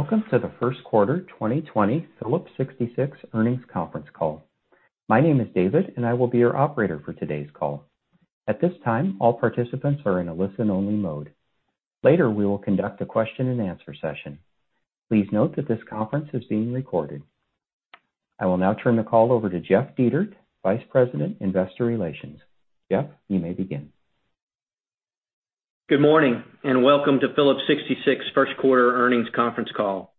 Welcome to the first quarter 2020 Phillips 66 earnings conference call. My name is David, and I will be your operator for today's call. At this time, all participants are in a listen-only mode. Later, we will conduct a question and answer session. Please note that this conference is being recorded. I will now turn the call over to Jeff Dietert, Vice President, Investor Relations. Jeff, you may begin. Good morning, and welcome to Phillips 66 first quarter earnings conference call.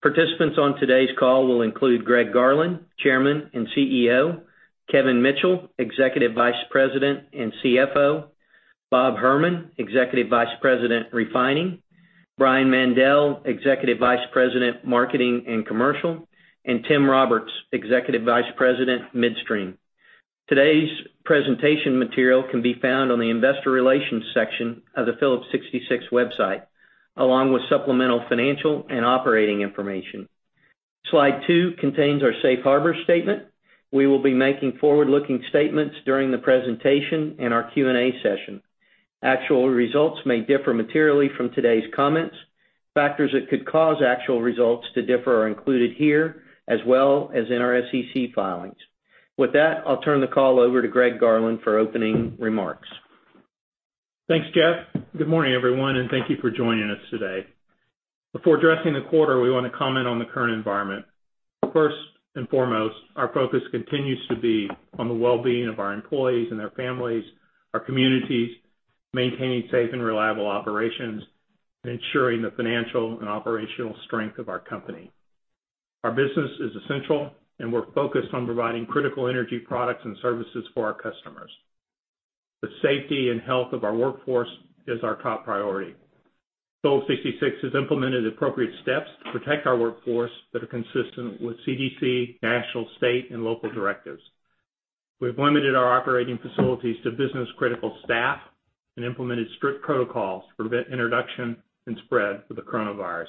Participants on today's call will include Greg Garland, Chairman and CEO, Kevin Mitchell, Executive Vice President and CFO, Bob Herman, Executive Vice President, Refining, Brian Mandell, Executive Vice President, Marketing and Commercial, and Tim Roberts, Executive Vice President, Midstream. Today's presentation material can be found on the Investor Relations section of the Phillips 66 website, along with supplemental financial and operating information. Slide two contains our safe harbor statement. We will be making forward-looking statements during the presentation and our Q&A session. Actual results may differ materially from today's comments. Factors that could cause actual results to differ are included here, as well as in our SEC filings. With that, I'll turn the call over to Greg Garland for opening remarks. Thanks, Jeff. Good morning, everyone. Thank you for joining us today. Before addressing the quarter, we want to comment on the current environment. First and foremost, our focus continues to be on the well-being of our employees and their families, our communities, maintaining safe and reliable operations, and ensuring the financial and operational strength of our company. Our business is essential, and we're focused on providing critical energy products and services for our customers. The safety and health of our workforce is our top priority. Phillips 66 has implemented appropriate steps to protect our workforce that are consistent with CDC, national, state, and local directives. We've limited our operating facilities to business-critical staff and implemented strict protocols to prevent introduction and spread of the coronavirus.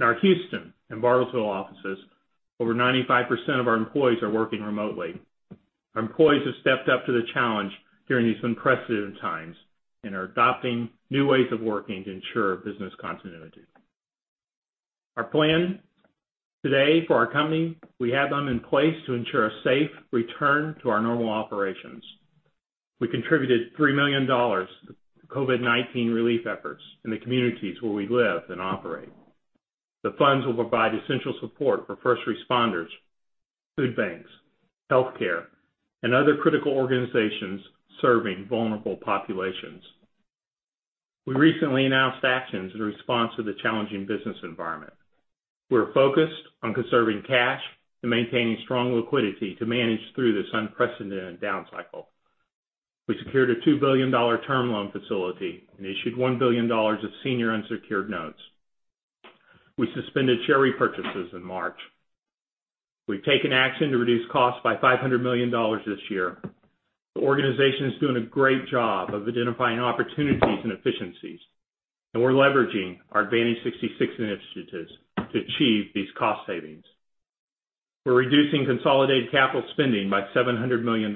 In our Houston and Bartlesville offices, over 95% of our employees are working remotely. Our employees have stepped up to the challenge during these unprecedented times and are adopting new ways of working to ensure business continuity. Our plan today for our company, we have them in place to ensure a safe return to our normal operations. We contributed $3 million to COVID-19 relief efforts in the communities where we live and operate. The funds will provide essential support for first responders, food banks, healthcare, and other critical organizations serving vulnerable populations. We recently announced actions in response to the challenging business environment. We're focused on conserving cash and maintaining strong liquidity to manage through this unprecedented down cycle. We secured a $2 billion term loan facility and issued $1 billion of senior unsecured notes. We suspended share repurchases in March. We've taken action to reduce costs by $500 million this year. The organization is doing a great job of identifying opportunities and efficiencies. We're leveraging our AdvantEdge66 initiatives to achieve these cost savings. We're reducing consolidated capital spending by $700 million.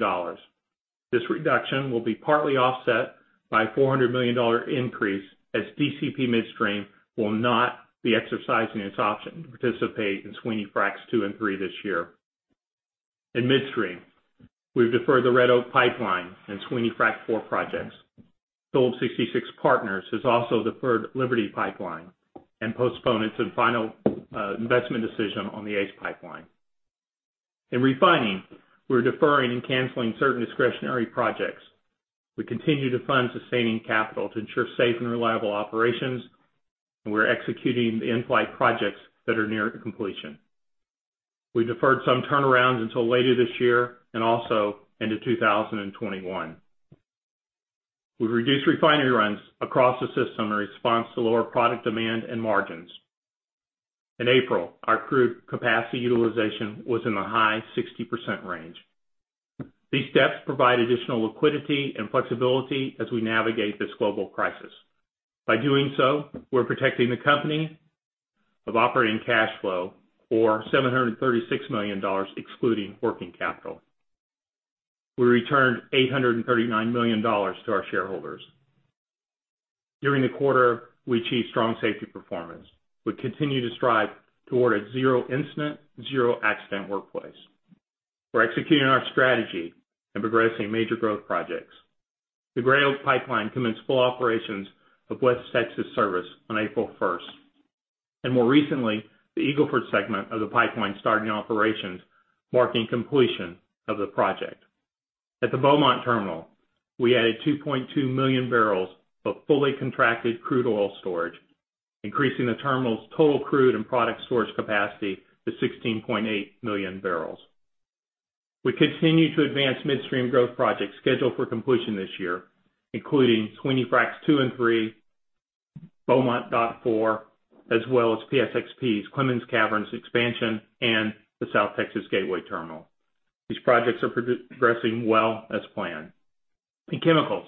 This reduction will be partly offset by a $400 million increase as DCP Midstream will not be exercising its option to participate in Sweeny Fracs 2 and 3 this year. In Midstream, we've deferred the Red Oak Pipeline and Sweeny Frac 4 projects. Phillips 66 Partners has also deferred Liberty Pipeline and postponed its final investment decision on the ACE Pipeline. In Refining, we're deferring and canceling certain discretionary projects. We continue to fund sustaining capital to ensure safe and reliable operations. We're executing the in-flight projects that are near to completion. We deferred some turnarounds until later this year and also into 2021. We've reduced refinery runs across the system in response to lower product demand and margins. In April, our crude capacity utilization was in the high 60% range. These steps provide additional liquidity and flexibility as we navigate this global crisis. By doing so, we're protecting the company of operating cash flow, or $736 million, excluding working capital. We returned $839 million to our shareholders. During the quarter, we achieved strong safety performance. We continue to strive toward a zero-incident, zero-accident workplace. We're executing our strategy and progressing major growth projects. The Gray Oak Pipeline commenced full operations of West Texas service on April 1st. More recently, the Eagle Ford segment of the pipeline started operations, marking completion of the project. At the Beaumont Terminal, we added 2.2 million barrels of fully contracted crude oil storage, increasing the terminal's total crude and product storage capacity to 16.8 million barrels. We continue to advance Midstream growth projects scheduled for completion this year, including Sweeny Fracs 2 and 3, Beaumont Dock 4, as well as PSXP's Clemens Caverns expansion and the South Texas Gateway Terminal. These projects are progressing well as planned. In Chemicals,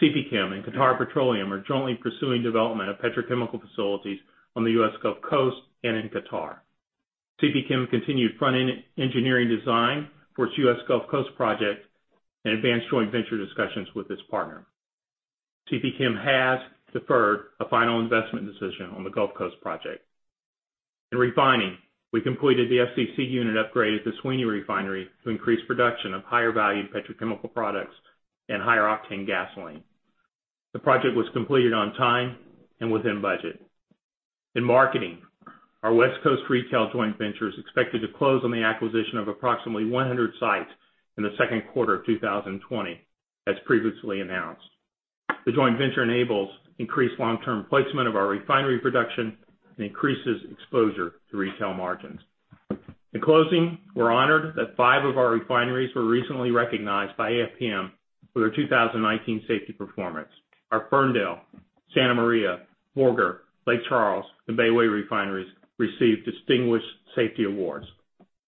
CPChem and Qatar Petroleum are jointly pursuing development of petrochemical facilities on the U.S. Gulf Coast and in Qatar. CPChem continued front-end engineering design for its U.S. Gulf Coast project and advanced joint venture discussions with this partner. CPChem has deferred a final investment decision on the Gulf Coast project. In Refining, we completed the FCC unit upgrade at the Sweeny Refinery to increase production of higher-value petrochemical products and higher-octane gasoline. The project was completed on time and within budget. In Marketing, our West Coast retail joint venture is expected to close on the acquisition of approximately 100 sites in the second quarter of 2020, as previously announced. The joint venture enables increased long-term placement of our refinery production and increases exposure to retail margins. In closing, we're honored that five of our refineries were recently recognized by AFPM for their 2019 safety performance. Our Ferndale, Santa Maria, Borger, Lake Charles, and Bayway refineries received distinguished safety awards.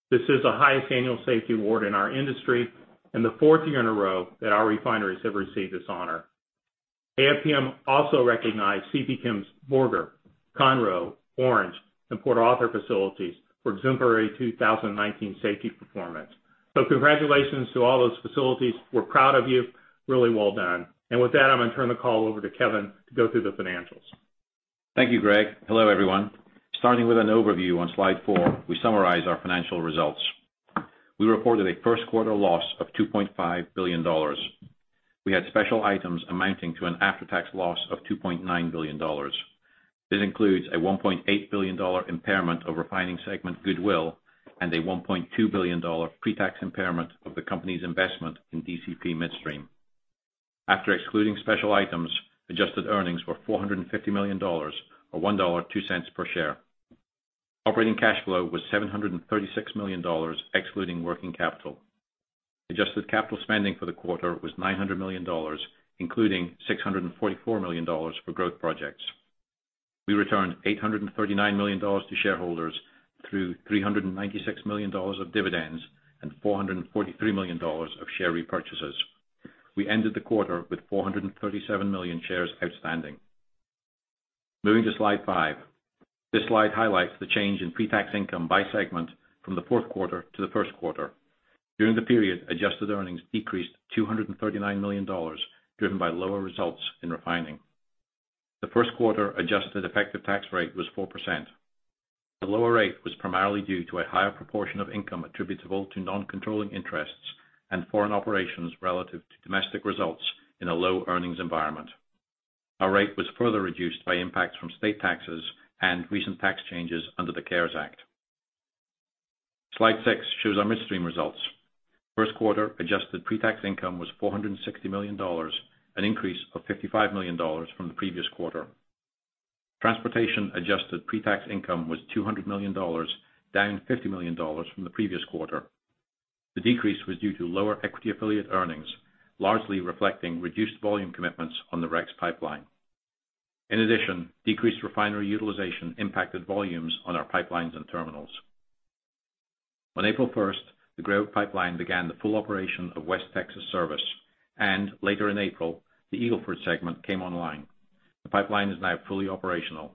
This is the highest annual safety award in our industry and the fourth year in a row that our refineries have received this honor. AFPM also recognized CPChem's Borger, Conroe, Orange, and Port Arthur facilities for exemplary 2019 safety performance. Congratulations to all those facilities. We're proud of you. Really well done. With that, I'm going to turn the call over to Kevin to go through the financials. Thank you, Greg. Hello, everyone. Starting with an overview on slide four, we summarize our financial results. We reported a first quarter loss of $2.5 billion. We had special items amounting to an after-tax loss of $2.9 billion. This includes a $1.8 billion impairment of Refining segment goodwill and a $1.2 billion pre-tax impairment of the company's investment in DCP Midstream. After excluding special items, adjusted earnings were $450 million, or $1.02 per share. Operating cash flow was $736 million excluding working capital. Adjusted capital spending for the quarter was $900 million, including $644 million for growth projects. We returned $839 million to shareholders through $396 million of dividends and $443 million of share repurchases. We ended the quarter with 437 million shares outstanding. Moving to slide five. This slide highlights the change in pre-tax income by segment from the fourth quarter to the first quarter. During the period, adjusted earnings decreased $239 million, driven by lower results in Refining. The first quarter adjusted effective tax rate was 4%. The lower rate was primarily due to a higher proportion of income attributable to non-controlling interests and foreign operations relative to domestic results in a low-earnings environment. Our rate was further reduced by impacts from state taxes and recent tax changes under the CARES Act. Slide six shows our Midstream results. First quarter adjusted pre-tax income was $460 million, an increase of $55 million from the previous quarter. Transportation adjusted pre-tax income was $200 million, down $50 million from the previous quarter. The decrease was due to lower equity affiliate earnings, largely reflecting reduced volume commitments on the REX Pipeline. In addition, decreased refinery utilization impacted volumes on our pipelines and terminals. On April 1st, the Gray Oak Pipeline began the full operation of West Texas service. Later in April, the Eagle Ford segment came online. The pipeline is now fully operational.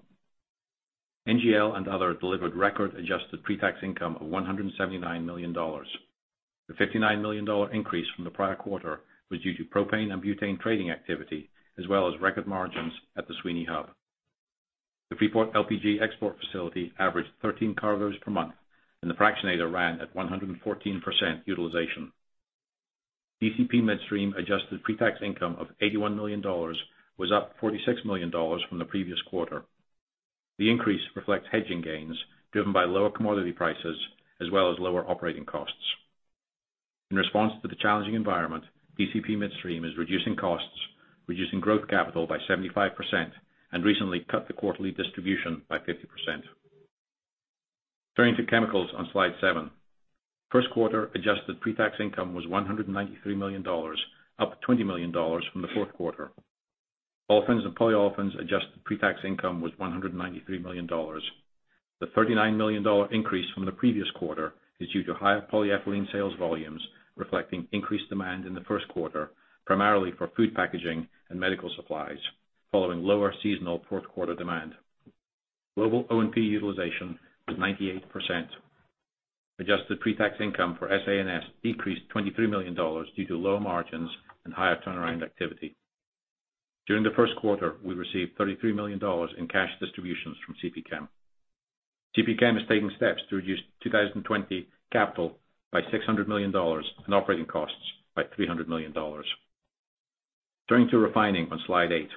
NGL and other delivered record adjusted pre-tax income of $179 million. The $59 million increase from the prior quarter was due to propane and butane trading activity, as well as record margins at the Sweeny Hub. The Freeport LPG export facility averaged 13 cargos per month. The fractionator ran at 114% utilization. DCP Midstream adjusted pre-tax income of $81 million was up $46 million from the previous quarter. The increase reflects hedging gains driven by lower commodity prices as well as lower operating costs. In response to the challenging environment, DCP Midstream is reducing costs, reducing growth capital by 75%, and recently cut the quarterly distribution by 50%. Turning to Chemicals on slide seven. First quarter adjusted pre-tax income was $193 million, up $20 million from the fourth quarter. Olefins and polyolefins adjusted pre-tax income was $193 million. The $39 million increase from the previous quarter is due to higher polyethylene sales volumes, reflecting increased demand in the first quarter, primarily for food packaging and medical supplies following lower seasonal fourth quarter demand. Global O&P utilization was 98%. Adjusted pre-tax income for SA&S decreased $23 million due to low margins and higher turnaround activity. During the first quarter, we received $33 million in cash distributions from CPChem. CPChem is taking steps to reduce 2020 capital by $600 million and operating costs by $300 million. Turning to Refining on slide eight.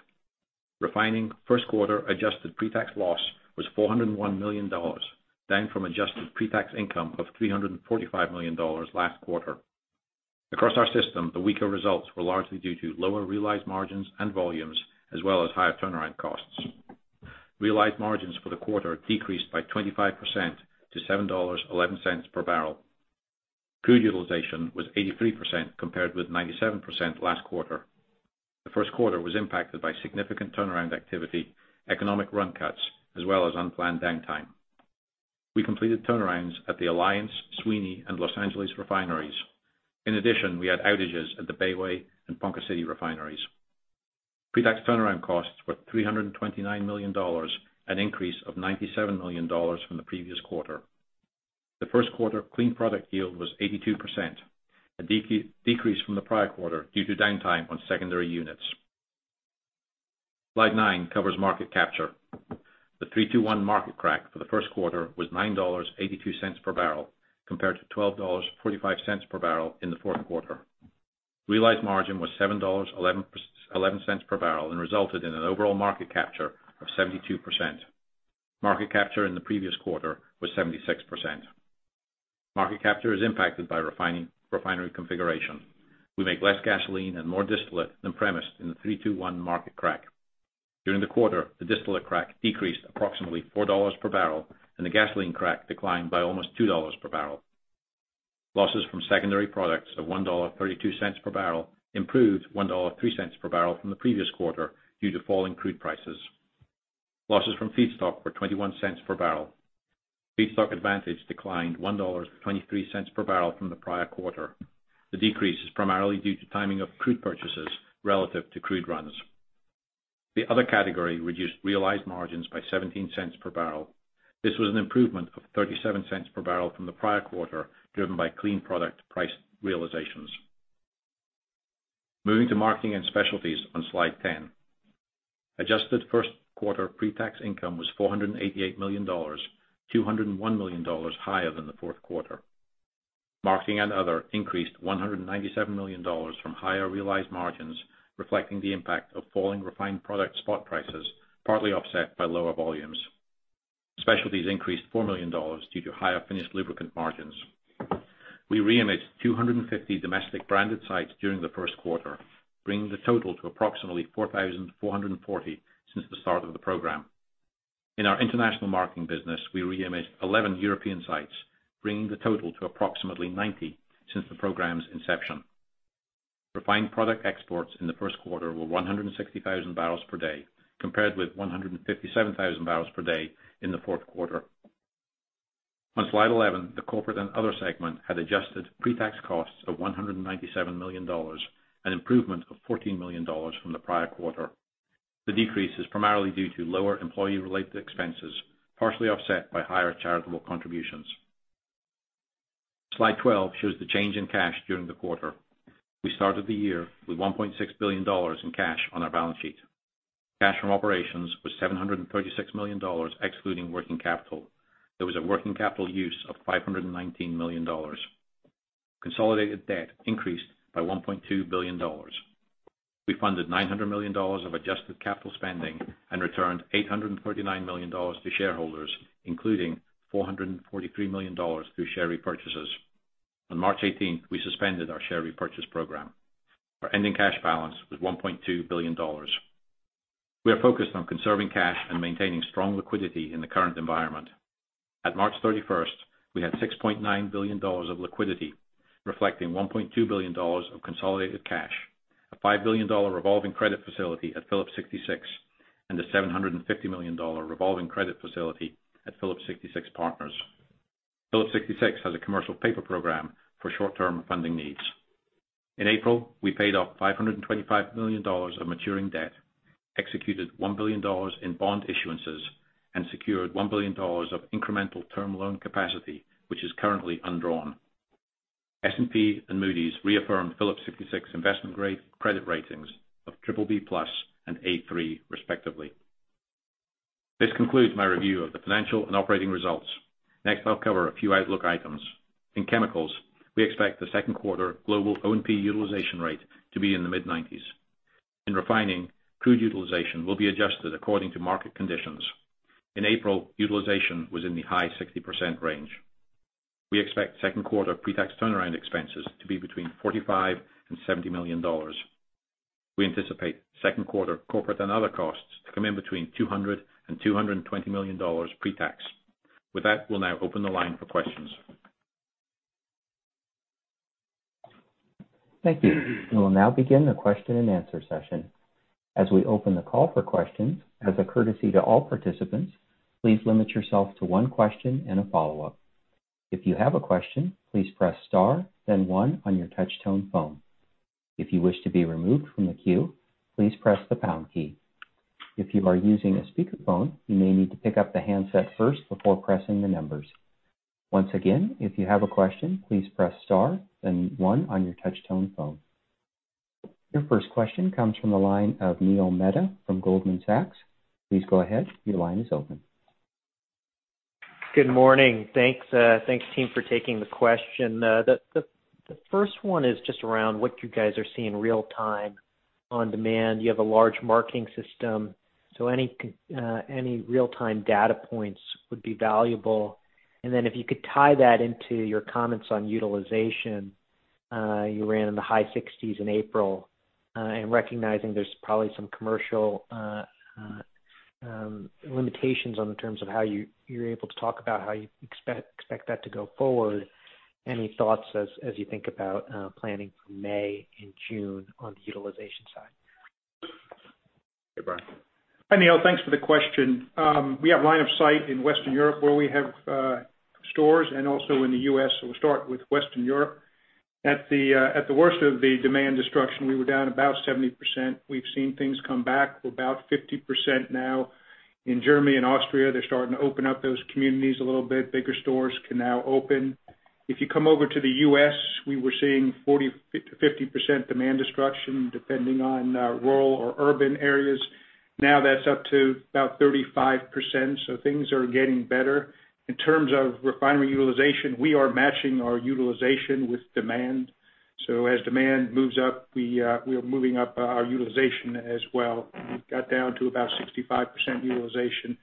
Refining first quarter adjusted pre-tax loss was $401 million, down from adjusted pre-tax income of $345 million last quarter. Across our system, the weaker results were largely due to lower realized margins and volumes, as well as higher turnaround costs. Realized margins for the quarter decreased by 25% to $7.11 per barrel. Crude utilization was 83%, compared with 97% last quarter. The first quarter was impacted by significant turnaround activity, economic run cuts, as well as unplanned downtime. We completed turnarounds at the Alliance, Sweeny, and Los Angeles refineries. In addition, we had outages at the Bayway and Ponca City refineries. Pretax turnaround costs were $329 million, an increase of $97 million from the previous quarter. The first quarter clean product yield was 82%, a decrease from the prior quarter due to downtime on secondary units. Slide nine covers market capture. The 3:2:1 market crack for the first quarter was $9.82 per barrel, compared to $12.45 per barrel in the fourth quarter. Realized margin was $7.11 per barrel and resulted in an overall market capture of 72%. Market capture in the previous quarter was 76%. Market capture is impacted by refinery configuration. We make less gasoline and more distillate than premised in the 3:2:1 market crack. During the quarter, the distillate crack decreased approximately $4 per barrel, and the gasoline crack declined by almost $2 per barrel. Losses from secondary products of $1.32 per barrel improved $1.03 per barrel from the previous quarter due to falling crude prices. Losses from feedstock were $0.21 per barrel. Feedstock advantage declined $1.23 per barrel from the prior quarter. The decrease is primarily due to timing of crude purchases relative to crude runs. The other category reduced realized margins by $0.17 per barrel. This was an improvement of $0.37 per barrel from the prior quarter, driven by clean product price realizations. Moving to Marketing and Specialties on slide 10. Adjusted first quarter pretax income was $488 million, $201 million higher than the fourth quarter. Marketing and other increased $197 million from higher realized margins, reflecting the impact of falling refined product spot prices, partly offset by lower volumes. Specialties increased $4 million due to higher finished lubricant margins. We reimaged 250 domestic branded sites during the first quarter, bringing the total to approximately 4,440 since the start of the program. In our international Marketing business, we reimaged 11 European sites, bringing the total to approximately 90 since the program's inception. Refined product exports in the first quarter were 160,000 barrels per day, compared with 157,000 barrels per day in the fourth quarter. On slide 11, the corporate and other segment had adjusted pretax costs of $197 million, an improvement of $14 million from the prior quarter. The decrease is primarily due to lower employee-related expenses, partially offset by higher charitable contributions. Slide 12 shows the change in cash during the quarter. We started the year with $1.6 billion in cash on our balance sheet. Cash from operations was $736 million excluding working capital. There was a working capital use of $519 million. Consolidated debt increased by $1.2 billion. We funded $900 million of adjusted capital spending and returned $839 million to shareholders, including $443 million through share repurchases. On March 18th, we suspended our share repurchase program. Our ending cash balance was $1.2 billion. We are focused on conserving cash and maintaining strong liquidity in the current environment. At March 31st, we had $6.9 billion of liquidity, reflecting $1.2 billion of consolidated cash, a $5 billion revolving credit facility at Phillips 66, and a $750 million revolving credit facility at Phillips 66 Partners. Phillips 66 has a commercial paper program for short-term funding needs. In April, we paid off $525 million of maturing debt, executed $1 billion in bond issuances, and secured $1 billion of incremental term loan capacity, which is currently undrawn. S&P and Moody's reaffirmed Phillips 66 investment-grade credit ratings of BBB+ and A3, respectively. This concludes my review of the financial and operating results. Next, I'll cover a few outlook items. In Chemicals, we expect the second quarter global O&P utilization rate to be in the mid-90s. In Refining, crude utilization will be adjusted according to market conditions. In April, utilization was in the high 60% range. We expect second quarter pretax turnaround expenses to be between $45 million and $70 million. We anticipate second quarter Corporate and Other costs to come in between $200 million and $220 million pre-tax. With that, we'll now open the line for questions. Thank you. We will now begin the question-and-answer session. As we open the call for questions, as a courtesy to all participants, please limit yourself to one question and a follow-up. If you have a question, please press star then one on your touch-tone phone. If you wish to be removed from the queue, please press the pound key. If you are using a speakerphone, you may need to pick up the handset first before pressing the numbers. Once again, if you have a question, please press star then one on your touch-tone phone. Your first question comes from the line of Neil Mehta from Goldman Sachs. Please go ahead. Your line is open. Good morning. Thanks team for taking the question. The first one is just around what you guys are seeing real time on demand. You have a large Marketing system, so any real-time data points would be valuable. If you could tie that into your comments on utilization. You ran in the high 60s in April, and recognizing there's probably some commercial limitations on the terms of how you're able to talk about how you expect that to go forward. Any thoughts as you think about planning for May and June on the utilization side? Hey, Neil, thanks for the question. We have line of sight in Western Europe where we have stores and also in the U.S. We'll start with Western Europe. At the worst of the demand destruction, we were down about 70%. We've seen things come back. We're about 50% now. In Germany and Austria, they're starting to open up those communities a little bit. Bigger stores can now open. If you come over to the U.S., we were seeing 40%-50% demand destruction depending on rural or urban areas. That's up to about 35%. Things are getting better. In terms of refinery utilization, we are matching our utilization with demand. As demand moves up, we are moving up our utilization as well. We got down to about 65% utilization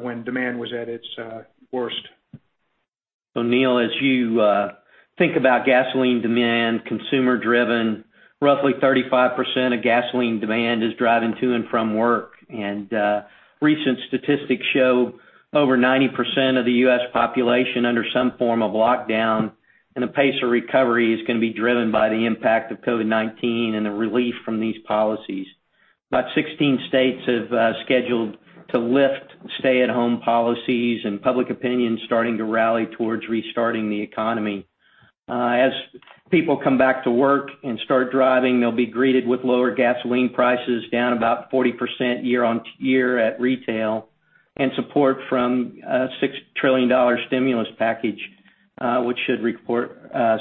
when demand was at its worst. Neil, as you think about gasoline demand, consumer-driven, roughly 35% of gasoline demand is driving to and from work. Recent statistics show over 90% of the U.S. population under some form of lockdown, and the pace of recovery is going to be driven by the impact of COVID-19 and the relief from these policies. About 16 states have scheduled to lift stay-at-home policies and public opinion is starting to rally towards restarting the economy. As people come back to work and start driving, they'll be greeted with lower gasoline prices, down about 40% year-on-year at retail, and support from a $6 trillion stimulus package, which should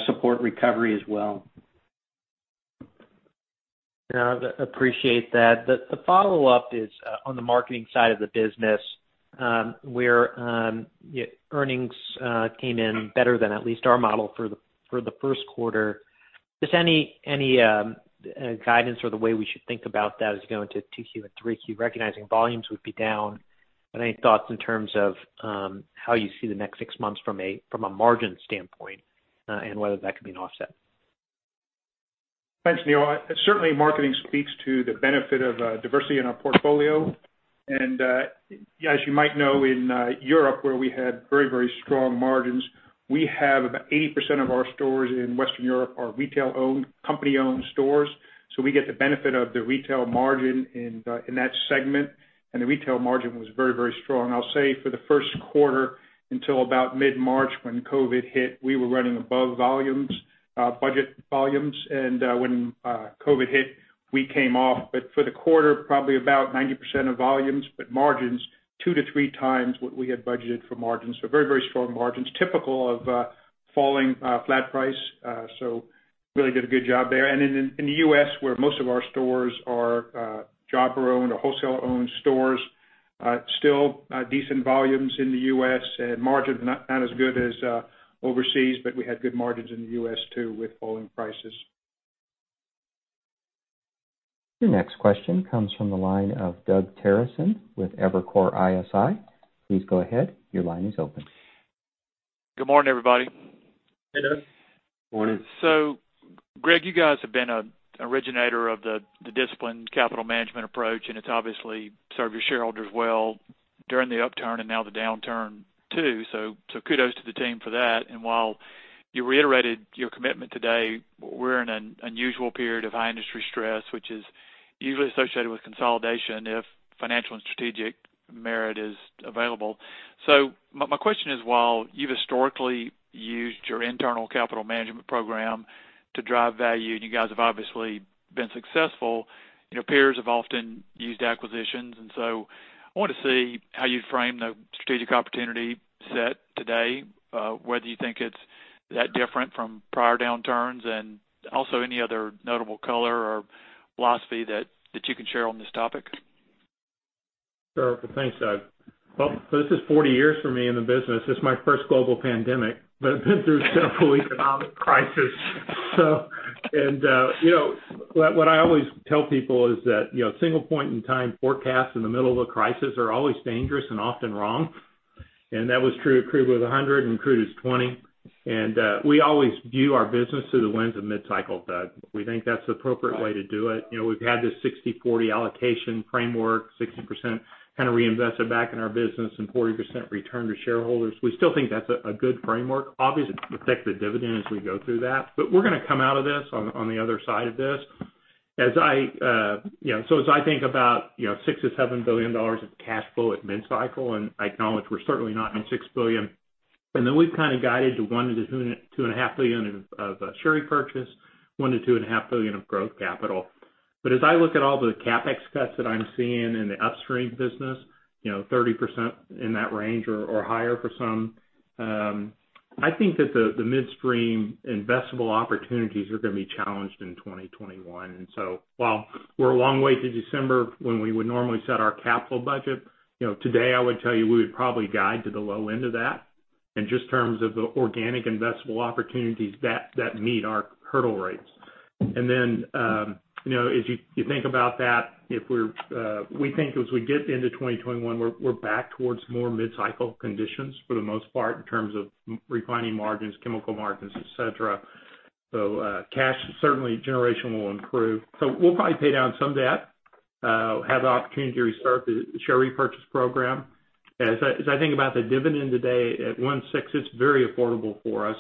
support recovery as well. Yeah, I appreciate that. The follow-up is on the Marketing side of the business, where earnings came in better than at least our model for the first quarter. Just any guidance or the way we should think about that as we go into 2Q and 3Q, recognizing volumes would be down. Any thoughts in terms of how you see the next six months from a margin standpoint, and whether that could be an offset? Thanks, Neil. Certainly, Marketing speaks to the benefit of diversity in our portfolio. As you might know, in Europe where we had very strong margins, we have about 80% of our stores in Western Europe are retail-owned, company-owned stores. We get the benefit of the retail margin in that segment. The retail margin was very strong. I'll say for the first quarter until about mid-March, when COVID hit, we were running above budget volumes. When COVID hit, we came off. For the quarter, probably about 90% of volumes, but margins two to three times what we had budgeted for margins. Very strong margins, typical of falling flat price. Really did a good job there. In the U.S., where most of our stores are jobber-owned or wholesaler-owned stores, still decent volumes in the U.S. and margins not as good as overseas, but we had good margins in the U.S. too with falling prices. Your next question comes from the line of Doug Terreson with Evercore ISI. Please go ahead. Your line is open. Good morning, everybody. Hey, Doug. Morning. Greg, you guys have been an originator of the disciplined capital management approach, and it's obviously served your shareholders well during the upturn and now the downturn too. Kudos to the team for that. While you reiterated your commitment today, we're in an unusual period of high industry stress, which is usually associated with consolidation if financial and strategic merit is available. My question is, while you've historically used your internal capital management program to drive value, and you guys have obviously been successful, your peers have often used acquisitions. I wanted to see how you'd frame the strategic opportunity set today, whether you think it's that different from prior downturns, and also any other notable color or philosophy that you can share on this topic. Sure. Well, thanks, Doug. This is 40 years for me in the business. This is my first global pandemic, but I've been through several economic crises. What I always tell people is that, single point in time forecasts in the middle of a crisis are always dangerous and often wrong. That was true at crude was $100 and crude was $20. We always view our business through the lens of mid-cycle, Doug. We think that's the appropriate way to do it. We've had this 60/40 allocation framework, 60% kind of reinvested back in our business and 40% return to shareholders. We still think that's a good framework. Obviously, protect the dividend as we go through that. We're going to come out of this on the other side of this. As I think about $6 billion-$7 billion of cash flow at mid-cycle, and I acknowledge we're certainly not at $6 billion, and then we've kind of guided to $1 billion-$2.5 billion of share repurchase, $1 billion-$2.5 billion of growth capital. As I look at all the CapEx cuts that I'm seeing in the Upstream business, 30% in that range or higher for some, I think that the Midstream investable opportunities are going to be challenged in 2021. While we're a long way to December when we would normally set our capital budget, today I would tell you we would probably guide to the low end of that in just terms of the organic investable opportunities that meet our hurdle rates. As you think about that, we think as we get into 2021, we're back towards more mid-cycle conditions for the most part in terms of Refining margins, chemical margins, et cetera. Cash certainly generation will improve. We'll probably pay down some debt, have the opportunity to restart the share repurchase program. As I think about the dividend today at $1.6 billion, it's very affordable for us.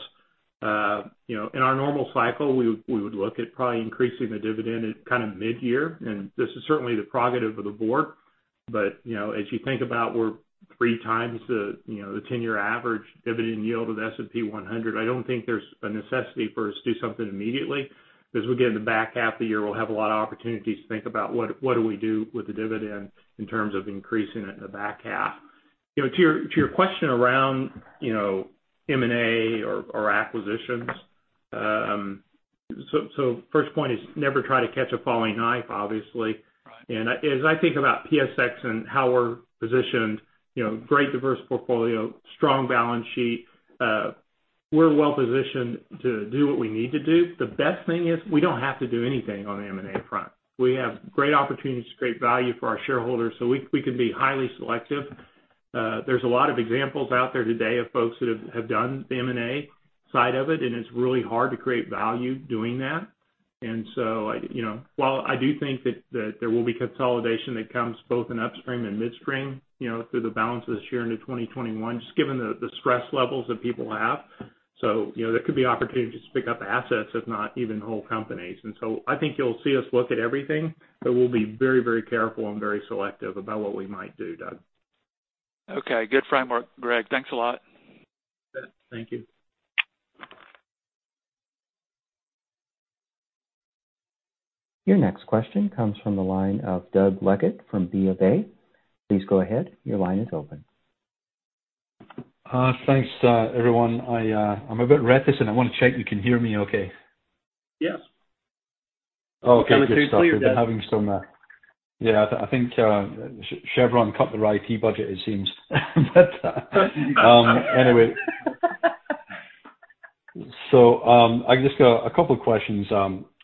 In our normal cycle, we would look at probably increasing the dividend at mid-year, this is certainly the prerogative of the Board. As you think about, we're three times the 10-year average dividend yield of S&P 100. I don't think there's a necessity for us to do something immediately, because we'll get in the back half of the year, we'll have a lot of opportunities to think about what do we do with the dividend in terms of increasing it in the back half. To your question around M&A or acquisitions. First point is never try to catch a falling knife, obviously. Right. As I think about PSX and how we're positioned, great diverse portfolio, strong balance sheet. We're well-positioned to do what we need to do. The best thing is we don't have to do anything on the M&A front. We have great opportunities to create value for our shareholders so we can be highly selective. There's a lot of examples out there today of folks that have done the M&A side of it, and it's really hard to create value doing that. While I do think that there will be consolidation that comes both in Upstream and Midstream, through the balance of this year into 2021, just given the stress levels that people have. There could be opportunities to pick up assets, if not even whole companies. I think you'll see us look at everything, but we'll be very careful and very selective about what we might do, Doug. Okay. Good framework, Greg. Thanks a lot. Thank you. Your next question comes from the line of Doug Leggate from BofA. Please go ahead. Your line is open. Thanks, everyone. I'm a bit reticent. I want to check you can hear me okay. Yes. Okay, good stuff. We can hear you clear, Doug. They're having some Yeah, I think Chevron cut their IT budget it seems but, anyway. I've just got a couple of questions.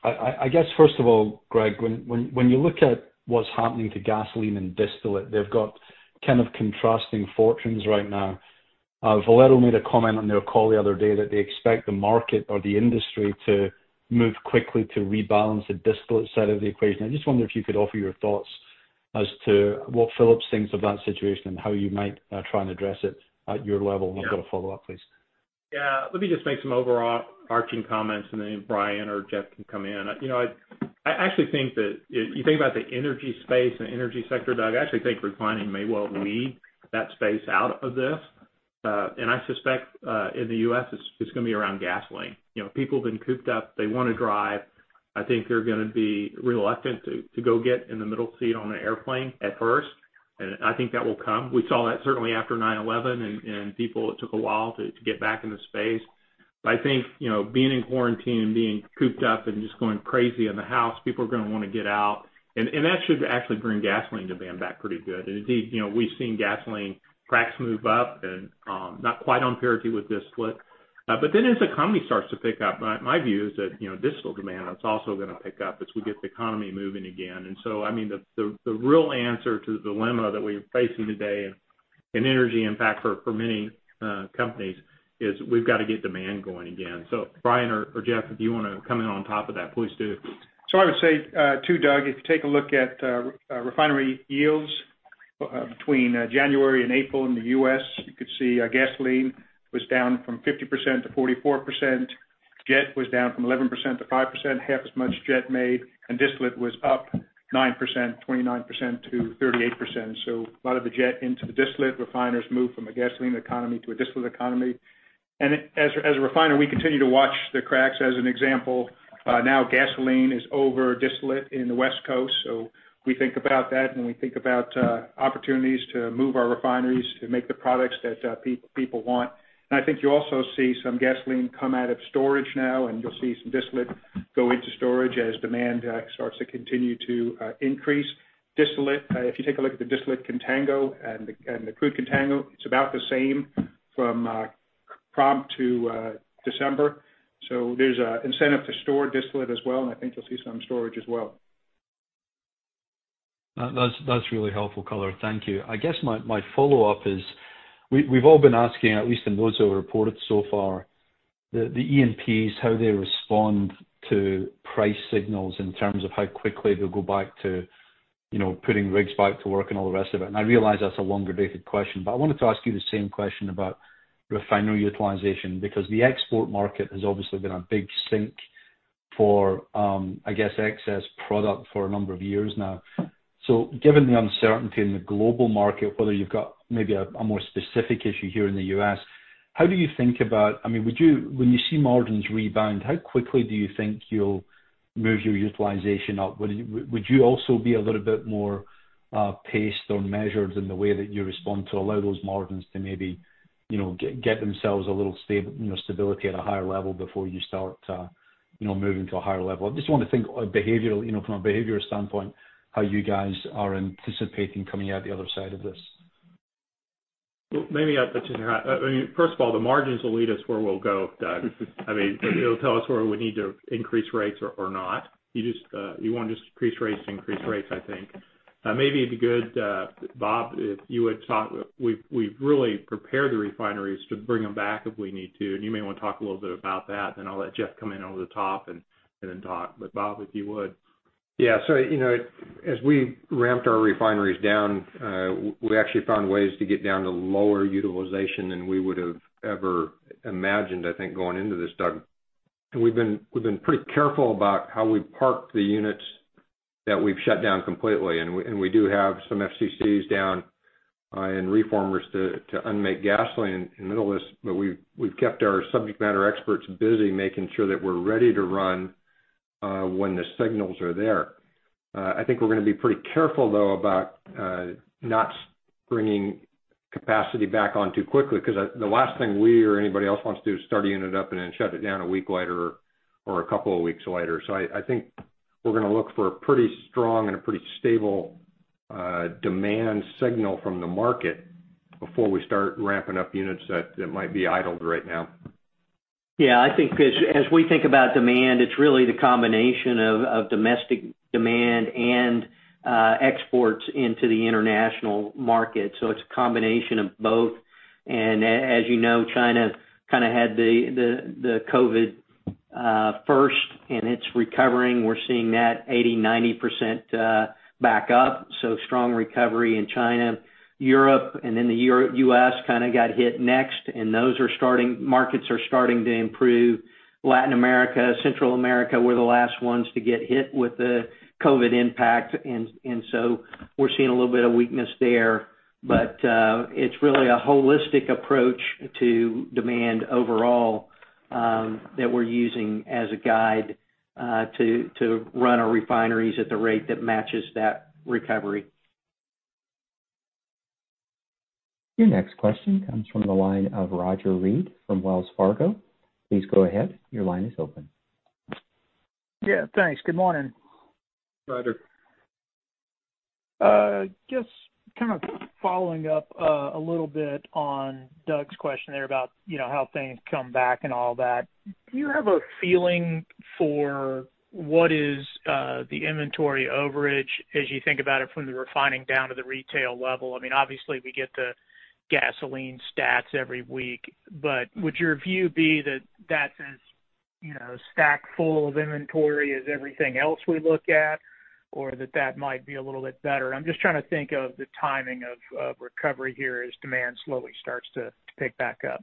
I guess first of all, Greg, when you look at what's happening to gasoline and distillate, they've got kind of contrasting fortunes right now. Valero made a comment on their call the other day that they expect the market or the industry to move quickly to rebalance the distillate side of the equation. I just wonder if you could offer your thoughts as to what Phillips thinks of that situation and how you might try and address it at your level. Yeah. I've got a follow-up, please. Yeah. Let me just make some overarching comments, and then Brian or Jeff can come in. I actually think that if you think about the energy space and energy sector, Doug, I actually think Refining may well lead that space out of this. I suspect, in the U.S., it's going to be around gasoline. People have been cooped up. They want to drive. I think they're going to be reluctant to go get in the middle seat on an airplane at first, and I think that will come. We saw that certainly after 9/11, people, it took a while to get back in the space. I think, being in quarantine and being cooped up and just going crazy in the house, people are going to want to get out, and that should actually bring gasoline demand back pretty good. Indeed, we've seen gasoline cracks move up and not quite on parity with distillate. As the economy starts to pick up, my view is that distillate demand is also going to pick up as we get the economy moving again. I mean, the real answer to the dilemma that we're facing today and an energy impact for many companies is we've got to get demand going again. Brian or Jeff, if you want to come in on top of that, please do. I would say too, Doug, if you take a look at refinery yields between January and April in the U.S., you could see gasoline was down from 50% to 44%. Jet was down from 11% to 5%, half as much jet made, and distillate was up 9%, 29% to 38%. A lot of the jet into the distillate refiners moved from a gasoline economy to a distillate economy. And as a refiner, we continue to watch the cracks as an example. Now gasoline is over distillate in the West Coast. We think about that and we think about opportunities to move our refineries to make the products that people want. I think you also see some gasoline come out of storage now, and you'll see some distillate go into storage as demand starts to continue to increase. Distillate, if you take a look at the distillate contango and the crude contango, it's about the same from prompt to December. There's an incentive to store distillate as well, and I think you'll see some storage as well. That's really helpful color. Thank you. I guess my follow-up is, we've all been asking, at least in those that were reported so far, the E&Ps, how they respond to price signals in terms of how quickly they'll go back to putting rigs back to work and all the rest of it. I realize that's a longer-dated question, but I wanted to ask you the same question about refinery utilization, because the export market has obviously been a big sink for, I guess, excess product for a number of years now. Given the uncertainty in the global market, whether you've got maybe a more specific issue here in the U.S., I mean, when you see margins rebound, how quickly do you think you'll move your utilization up? Would you also be a little bit more paced or measured in the way that you respond to allow those margins to maybe get themselves a little stability at a higher level before you start moving to a higher level? I just want to think from a behavioral standpoint, how you guys are anticipating coming out the other side of this. Well, I mean, first of all, the margins will lead us where we'll go, Doug. I mean, it'll tell us where we need to increase rates or not. You won't just increase rates to increase rates, I think. Maybe it'd be good, Bob, if you would talk. We've really prepared the refineries to bring them back if we need to. You may want to talk a little bit about that, then I'll let Jeff come in over the top and then talk. Bob, if you would. Yeah. As we ramped our refineries down, we actually found ways to get down to lower utilization than we would've ever imagined, I think, going into this, Doug. We've been pretty careful about how we park the units that we've shut down completely. We do have some FCCs down and reformers to unmake gasoline in the Middle East. We've kept our subject matter experts busy making sure that we're ready to run when the signals are there. I think we're going to be pretty careful, though, about not bringing capacity back on too quickly, because the last thing we or anybody else wants to do is start a unit up and then shut it down a week later or a couple of weeks later. I think we're going to look for a pretty strong and a pretty stable demand signal from the market before we start ramping up units that might be idled right now. Yeah. I think as we think about demand, it's really the combination of domestic demand and exports into the international market. It's a combination of both. As you know, China kind of had the COVID first, and it's recovering. We're seeing that 80%, 90% back up. Strong recovery in China, Europe, and then the U.S. kind of got hit next, and those markets are starting to improve. Latin America, Central America were the last ones to get hit with the COVID impact, we're seeing a little bit of weakness there. It's really a holistic approach to demand overall that we're using as a guide to run our refineries at the rate that matches that recovery. Your next question comes from the line of Roger Read from Wells Fargo. Please go ahead. Your line is open. Yeah, thanks. Good morning. Roger. Just kind of following up a little bit on Doug's question there about how things come back and all that. Do you have a feeling for what is the inventory overage as you think about it from the Refining down to the retail level? I mean, obviously we get the gasoline stats every week, but would your view be that that's as stacked full of inventory as everything else we look at or that that might be a little bit better? I'm just trying to think of the timing of recovery here as demand slowly starts to pick back up.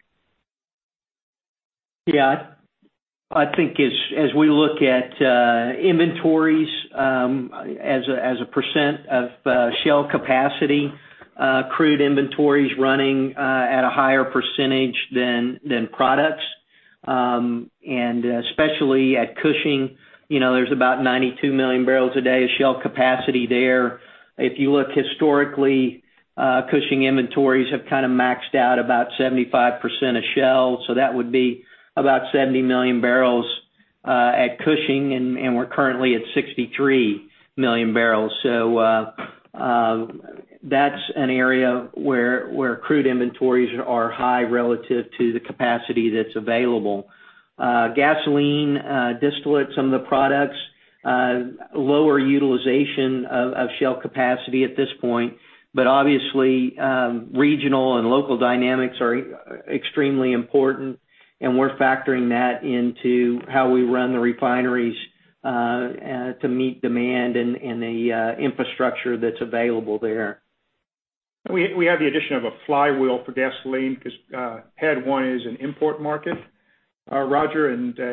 I think as we look at inventories as a percent of shale capacity, crude inventory is running at a higher percentage than products. Especially at Cushing, there's about 92 million barrels a day of shale capacity there. If you look historically, Cushing inventories have kind of maxed out about 75% of shale. That would be about 70 million barrels at Cushing, and we're currently at 63 million barrels. That's an area where crude inventories are high relative to the capacity that's available. Gasoline distillate, some of the products, lower utilization of shale capacity at this point. Obviously, regional and local dynamics are extremely important, and we're factoring that into how we run the refineries to meet demand and the infrastructure that's available there. We have the addition of a flywheel for gasoline because PADD 1 is an import market. Roger,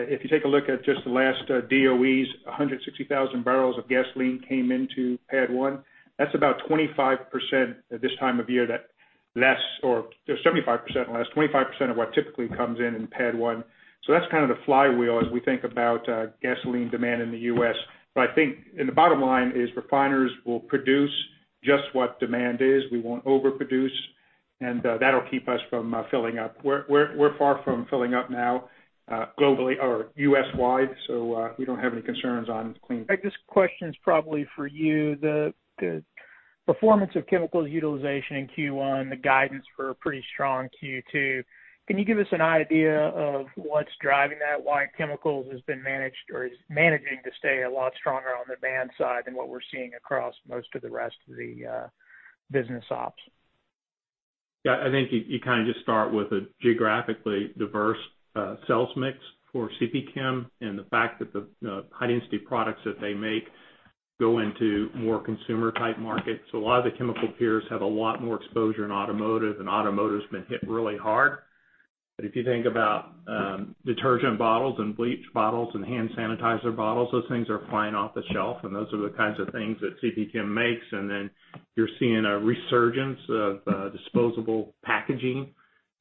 if you take a look at just the last DOE's, 160,000 barrels of gasoline came into PADD 1. That's about 25% at this time of year that or 75% less, 25% of what typically comes in in PADD 1. That's kind of the flywheel as we think about gasoline demand in the U.S. The bottom line is refiners will produce just what demand is. We won't overproduce, and that'll keep us from filling up. We're far from filling up now globally or U.S.-wide, we don't have any concerns on clean. Greg, this question is probably for you. The performance of Chemicals utilization in Q1, the guidance for a pretty strong Q2. Can you give us an idea of what's driving that? Why Chemicals has been managed or is managing to stay a lot stronger on the demand side than what we're seeing across most of the rest of the business ops? I think you kind of just start with a geographically diverse sales mix for CPChem and the fact that the high-density products that they make go into more consumer-type markets. A lot of the chemical peers have a lot more exposure in automotive, and automotive's been hit really hard. If you think about detergent bottles and bleach bottles and hand sanitizer bottles, those things are flying off the shelf, and those are the kinds of things that CPChem makes. You're seeing a resurgence of disposable packaging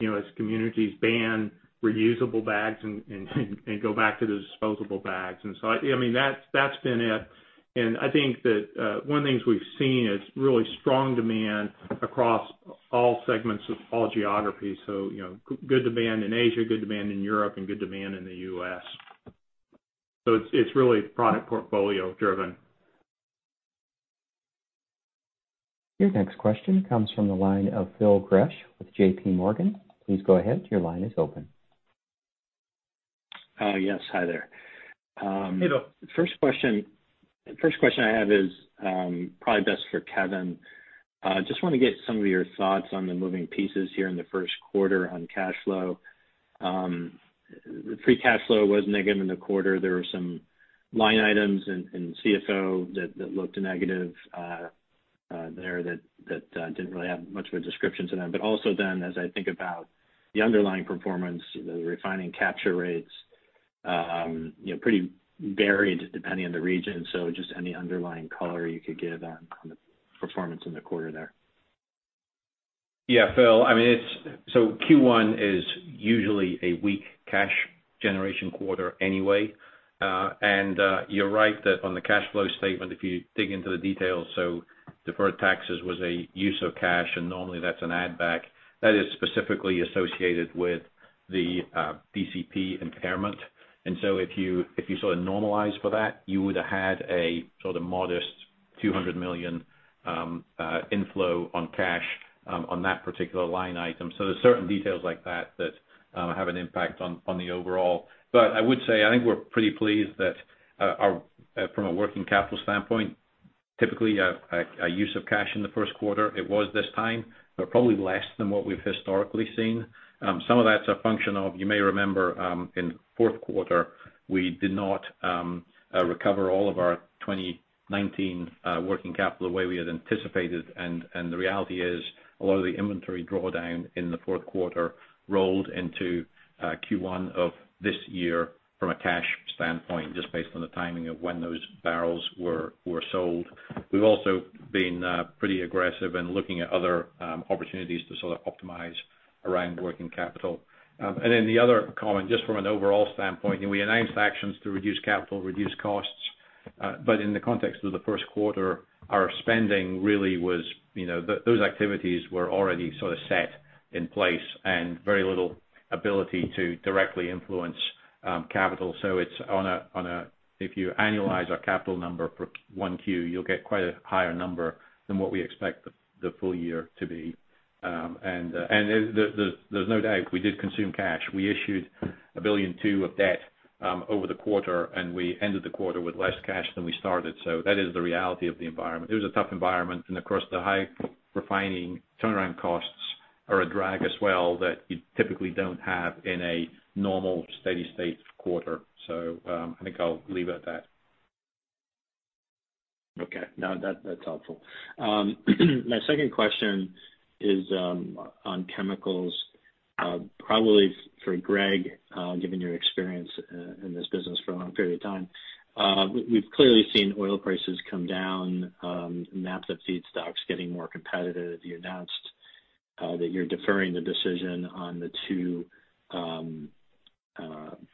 as communities ban reusable bags and go back to the disposable bags. That's been it. I think that one of the things we've seen is really strong demand across all segments of all geographies. Good demand in Asia, good demand in Europe, and good demand in the U.S. It's really product portfolio driven. Your next question comes from the line of Phil Gresh with JPMorgan. Please go ahead. Your line is open. Yes. Hi there. Hey, Phil. First question I have is probably best for Kevin. Just want to get some of your thoughts on the moving pieces here in the first quarter on cash flow. Free cash flow was negative in the quarter. There were some line items in CFO that looked negative there that didn't really have much of a description to them. Also as I think about the underlying performance, the Refining capture rates pretty varied depending on the region. Just any underlying color you could give on the performance in the quarter there. Yeah. Phil, Q1 is usually a weak cash generation quarter anyway. You're right that on the cash flow statement, if you dig into the details, deferred taxes was a use of cash, normally that's an add back. That is specifically associated with the DCP impairment. If you sort of normalize for that, you would've had a sort of modest $200 million inflow on cash on that particular line item. There's certain details like that have an impact on the overall. I would say, I think we're pretty pleased that from a working capital standpoint, typically a use of cash in the first quarter, it was this time, probably less than what we've historically seen. Some of that's a function of, you may remember in fourth quarter, we did not recover all of our 2019 working capital the way we had anticipated. The reality is, a lot of the inventory drawdown in the fourth quarter rolled into Q1 of this year from a cash standpoint, just based on the timing of when those barrels were sold. We've also been pretty aggressive in looking at other opportunities to sort of optimize around working capital. The other comment, just from an overall standpoint, we announced actions to reduce capital, reduce costs. In the context of the first quarter, our spending really was. Those activities were already sort of set in place and very little ability to directly influence capital. If you annualize our capital number for 1Q, you'll get quite a higher number than what we expect the full year to be. There's no doubt we did consume cash. We issued $1.2 billion of debt over the quarter, and we ended the quarter with less cash than we started. That is the reality of the environment. It was a tough environment and of course, the high Refining turnaround costs are a drag as well that you typically don't have in a normal steady state quarter. I think I'll leave it at that. Okay. No, that's helpful. My second question is on Chemicals, probably for Greg, given your experience in this business for a long period of time. We've clearly seen oil prices come down, naphtha feedstocks getting more competitive. You announced that you're deferring the decision on the two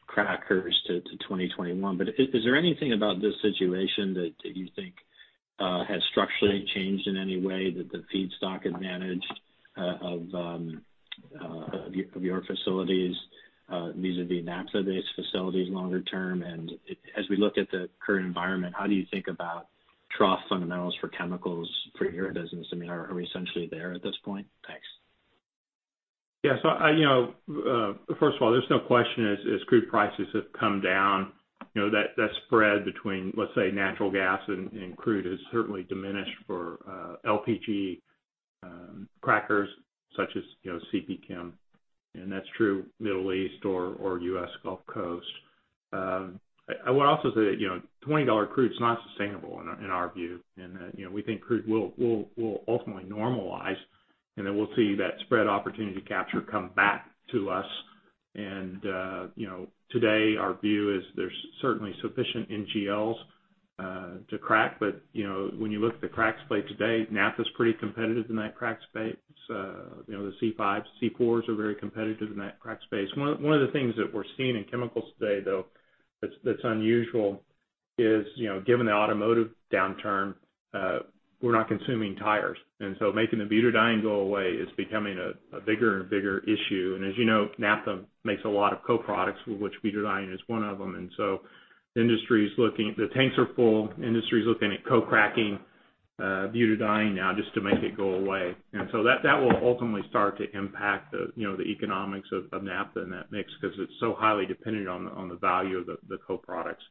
crackers to 2021. Is there anything about this situation that you think has structurally changed in any way that the feedstock advantage of your facilities these are the naphtha-based facilities longer term. As we look at the current environment, how do you think about trough fundamentals for Chemicals for your business? Are we essentially there at this point? Thanks. First of all, there's no question as crude prices have come down, that spread between, let's say, natural gas and crude has certainly diminished for LPG crackers such as CPChem. That's true Middle East or U.S. Gulf Coast. I would also say that $20 crude's not sustainable in our view. We think crude will ultimately normalize, and then we'll see that spread opportunity capture come back to us. Today our view is there's certainly sufficient NGLs to crack. When you look at the crack space today, naphtha's pretty competitive in that crack space. The C5, C4s are very competitive in that crack space. One of the things that we're seeing in Chemicals today, though, that's unusual is given the automotive downturn, we're not consuming tires. So making the butadiene go away is becoming a bigger and bigger issue. As you know, naphtha makes a lot of co-products, which butadiene is one of them. The tanks are full, industry's looking at co-cracking butadiene now just to make it go away. That will ultimately start to impact the economics of naphtha in that mix because it's so highly dependent on the value of the co-products.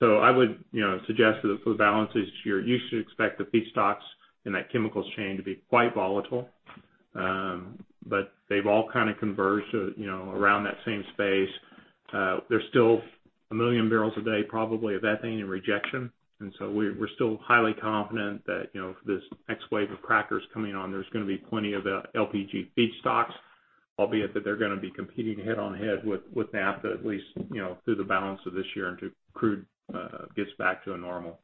I would suggest that for the balances this year, you should expect the feedstocks in that Chemicals chain to be quite volatile. They've all kind of converged around that same space. There's still 1 million barrels a day probably of ethane in rejection. We're still highly confident that this next wave of crackers coming on, there's gonna be plenty of LPG feedstocks, albeit that they're gonna be competing head-on head with naphtha at least through the balance of this year until crude gets back to a normal.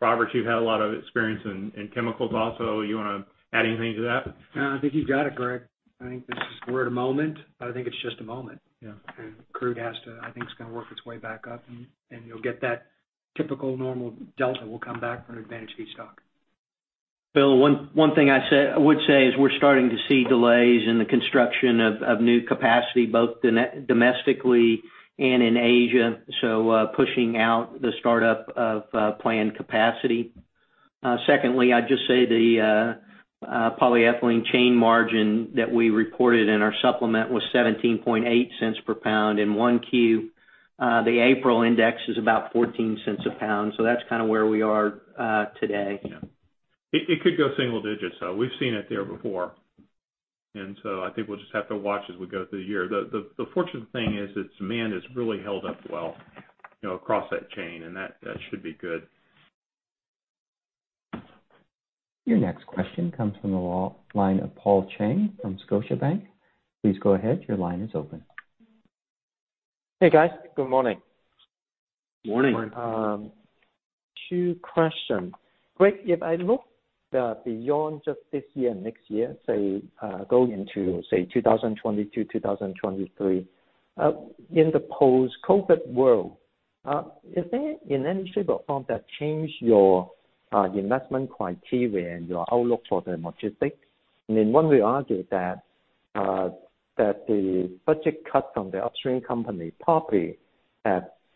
Robert, you've had a lot of experience in Chemicals also. You want to add anything to that? No, I think you've got it, Greg. I think this is, we're at a moment, but I think it's just a moment. Crude I think it's gonna work its way back up and you'll get that typical normal delta will come back for an advantage feedstock. Phil, one thing I would say is we're starting to see delays in the construction of new capacity both domestically and in Asia. Pushing out the startup of planned capacity. Secondly, I'd just say the polyethylene chain margin that we reported in our supplement was $0.178 per pound in 1Q. The April index is about $0.14 a pound. That's kind of where we are today. Yeah. It could go single digits, though. We've seen it there before. I think we'll just have to watch as we go through the year. The fortunate thing is that demand has really held up well across that chain, and that should be good. Your next question comes from the line of Paul Cheng from Scotiabank. Please go ahead, your line is open. Hey, guys. Good morning. Morning. Morning. Two questions. Greg, if I look beyond just this year and next year, going into 2022, 2023. In the post-COVID world, is there any shape or form that change your investment criteria and your outlook for the logistics? I mean, one will argue that the budget cuts from the Upstream company probably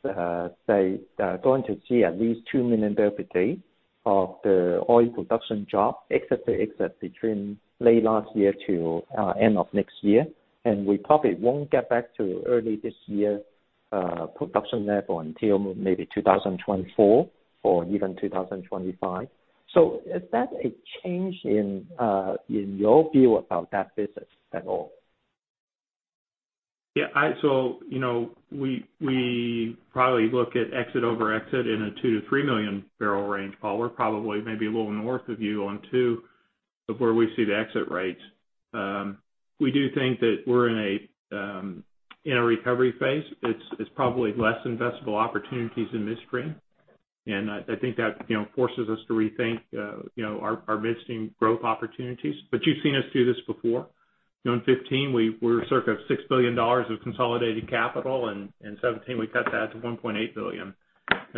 going to see at least 2 million barrels a day of the oil production drop, exit-to-exit between late last year to end of next year. We probably won't get back to early this year production level until maybe 2024 or even 2025. Is that a change in your view about that business at all? Yeah. We probably look at exit-over-exit in a 2 million-3 million barrel range, Paul. We're probably maybe a little north of you on 2 million of where we see the exit rates. We do think that we're in a recovery phase. It's probably less investable opportunities in Midstream, and I think that forces us to rethink our Midstream growth opportunities. You've seen us do this before. In 2015, we were circa $6 billion of consolidated capital, and in 2017, we cut that to $1.8 billion.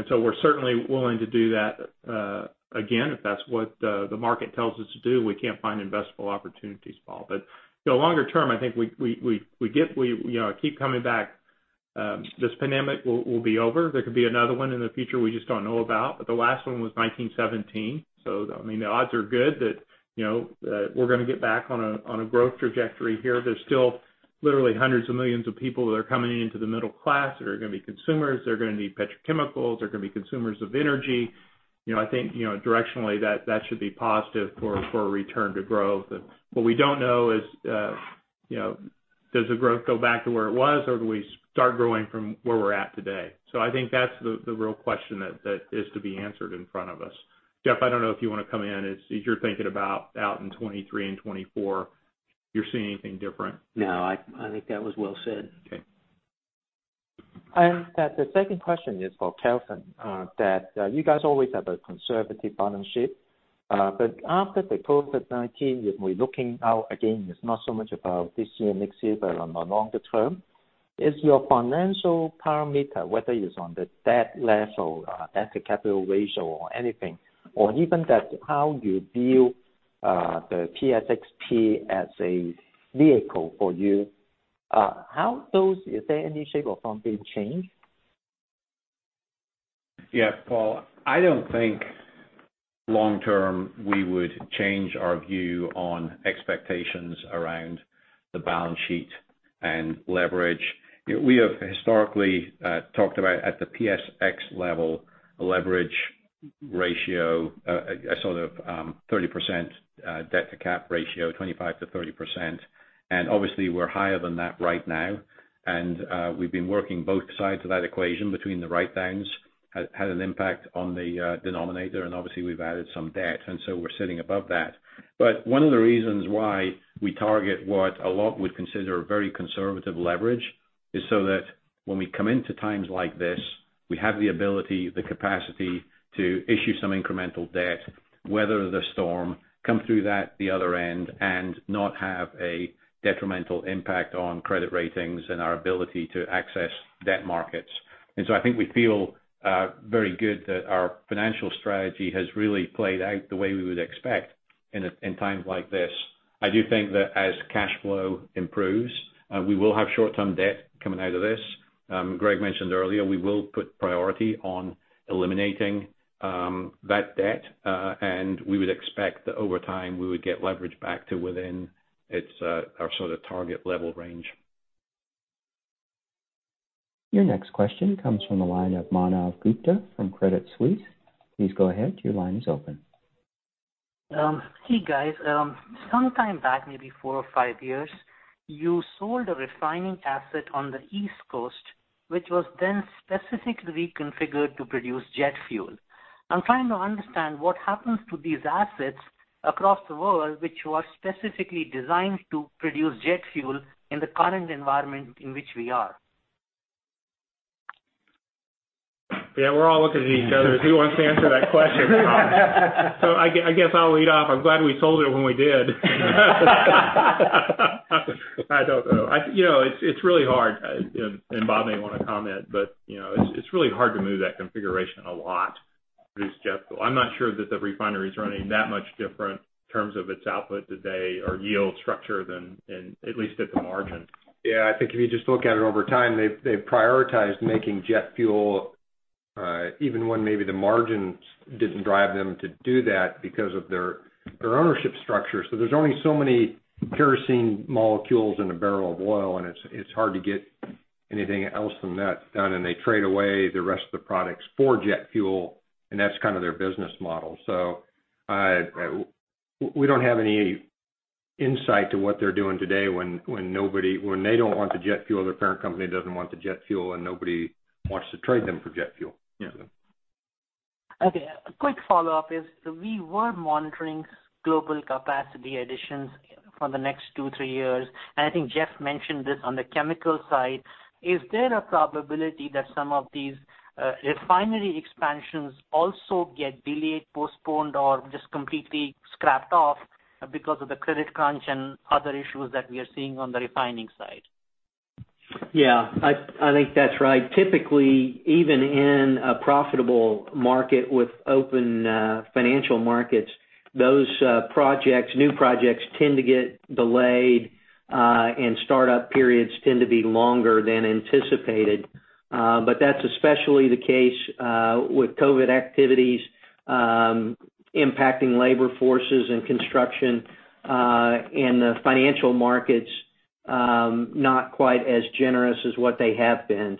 We're certainly willing to do that again, if that's what the market tells us to do, we can't find investable opportunities, Paul. Longer term, I think we keep coming back. This pandemic will be over. There could be another one in the future we just don't know about. The last one was 1917, so the odds are good that we're going to get back on a growth trajectory here. There's still literally hundreds of millions of people that are coming into the middle class that are going to be consumers, that are going to need petrochemicals, that are going to be consumers of energy. I think directionally that should be positive for a return to growth. We don't know is, does the growth go back to where it was, or do we start growing from where we're at today? I think that's the real question that is to be answered in front of us. Jeff, I don't know if you want to come in, as you're thinking about out in 2023 and 2024, you're seeing anything different? No, I think that was well said. Okay. The second question is for Kevin, that you guys always have a conservative balance sheet. After the COVID-19, if we're looking out again, it's not so much about this year, next year, but on the longer term. Is your financial parameter, whether it's on the debt level, debt to capital ratio, or anything, or even just how you view the PSXP as a vehicle for you, is there any shape or form being changed? Yeah, Paul. I don't think long term, we would change our view on expectations around the balance sheet and leverage. We have historically talked about at the PSX level leverage ratio, a sort of 30% debt-to-cap ratio, 25%-30%. Obviously, we're higher than that right now. We've been working both sides of that equation between the write-downs, had an impact on the denominator. Obviously, we've added some debt, and so we're sitting above that. One of the reasons why we target what a lot would consider a very conservative leverage is so that when we come into times like this, we have the ability, the capacity to issue some incremental debt, weather the storm, come through that the other end, and not have a detrimental impact on credit ratings and our ability to access debt markets. I think we feel very good that our financial strategy has really played out the way we would expect in times like this. I do think that as cash flow improves, we will have short-term debt coming out of this. Greg mentioned earlier, we will put priority on eliminating that debt. We would expect that over time, we would get leverage back to within our sort of target level range. Your next question comes from the line of Manav Gupta from Credit Suisse. Please go ahead, your line is open. Hey, guys. Sometime back, maybe four or five years, you sold a Refining asset on the East Coast, which was then specifically reconfigured to produce jet fuel. I'm trying to understand what happens to these assets across the world which were specifically designed to produce jet fuel in the current environment in which we are. Yeah, we're all looking at each other. Who wants to answer that question? I guess I'll lead off. I'm glad we sold it when we did. I don't know. It's really hard. Bob may want to comment, but it's really hard to move that configuration a lot to produce jet fuel. I'm not sure that the refinery is running that much different in terms of its output today or yield structure than in, at least at the margin. Yeah, I think if you just look at it over time, they've prioritized making jet fuel even when maybe the margins didn't drive them to do that because of their ownership structure. There's only so many kerosene molecules in a barrel of oil, and it's hard to get. Anything else from that done, and they trade away the rest of the products for jet fuel, and that's kind of their business model. We don't have any insight to what they're doing today when they don't want the jet fuel, their parent company doesn't want the jet fuel, and nobody wants to trade them for jet fuel. Yeah. Okay. A quick follow-up is, we were monitoring global capacity additions for the next two, three years. I think Jeff mentioned this on the chemical side. Is there a probability that some of these refinery expansions also get delayed, postponed, or just completely scrapped off because of the credit crunch and other issues that we are seeing on the Refining side? Yeah. I think that's right. Typically, even in a profitable market with open financial markets, those new projects tend to get delayed, and startup periods tend to be longer than anticipated. That's especially the case with COVID-19 activities impacting labor forces and construction, and the financial markets not quite as generous as what they have been.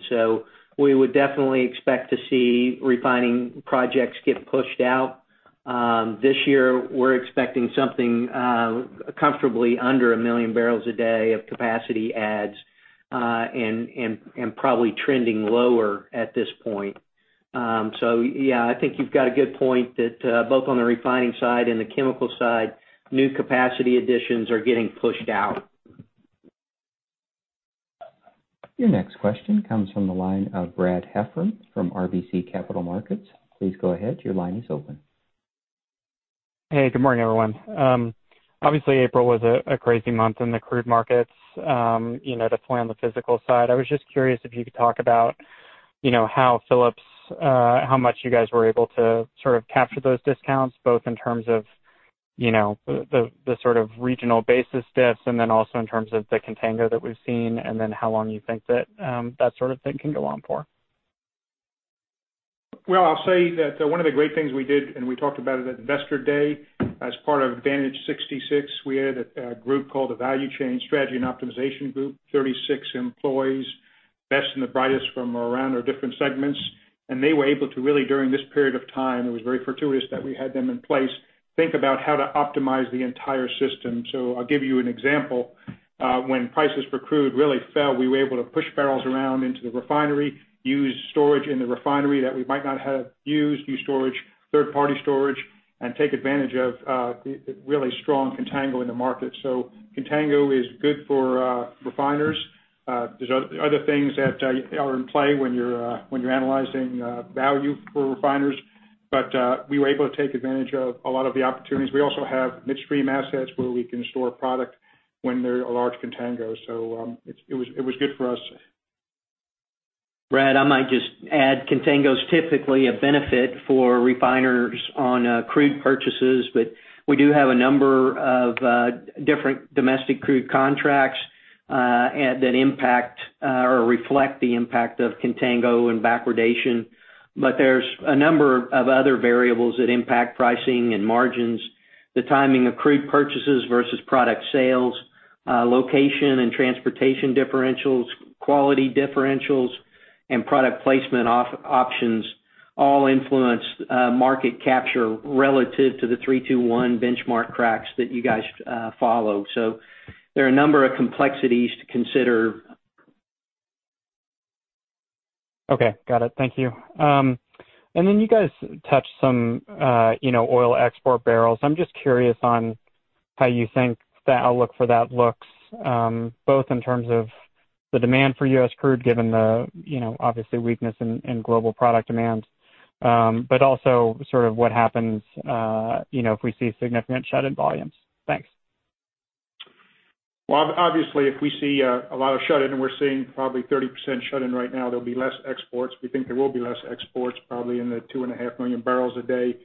We would definitely expect to see Refining projects get pushed out. This year, we're expecting something comfortably under 1 million barrels a day of capacity adds, and probably trending lower at this point. Yeah, I think you've got a good point that both on the Refining side and the chemical side, new capacity additions are getting pushed out. Your next question comes from the line of Brad Heffern from RBC Capital Markets. Please go ahead, your line is open. Hey, good morning, everyone. Obviously, April was a crazy month in the crude markets. To play on the physical side, I was just curious if you could talk about how Phillips, how much you guys were able to sort of capture those discounts, both in terms of the sort of regional basis diffs and then also in terms of the contango that we've seen, and then how long you think that that sort of thing can go on for? Well, I'll say that one of the great things we did, and we talked about it at Investor Day as part of AdvantEdge66, we added a group called the Value Chain Strategy and Optimization Group, 36 employees, best and the brightest from around our different segments. They were able to really, during this period of time, it was very fortuitous that we had them in place, think about how to optimize the entire system. I'll give you an example. When prices for crude really fell, we were able to push barrels around into the refinery, use storage in the refinery that we might not have used new storage, use third-party storage, and take advantage of the really strong contango in the market. Contango is good for refiners. There's other things that are in play when you're analyzing value for refiners. We were able to take advantage of a lot of the opportunities. We also have Midstream assets where we can store product when there are large contangos. It was good for us. Brad, I might just add, contango's typically a benefit for refiners on crude purchases, but we do have a number of different domestic crude contracts that impact or reflect the impact of contango and backwardation. There's a number of other variables that impact pricing and margins. The timing of crude purchases versus product sales, location and transportation differentials, quality differentials, and product placement options all influence market capture relative to the 3:2:1 benchmark cracks that you guys follow. There are a number of complexities to consider. Okay. Got it. Thank you. You guys touched some oil export barrels. I'm just curious on how you think the outlook for that looks, both in terms of the demand for U.S. crude, given the obviously weakness in global product demand. Sort of what happens if we see significant shut-in volumes. Thanks. Well, obviously, if we see a lot of shut-in, we're seeing probably 30% shut-in right now, there'll be less exports. We think there will be less exports, probably in the 2.5 million barrels a day